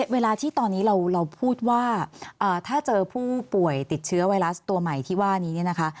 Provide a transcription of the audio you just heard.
เวลาที่ตอนนี้เราพูดว่าถ้าเจอผู้ป่วยติดเชื้อไวรัสตัวใหม่ที่ว่านี้เนี่ยนะคะ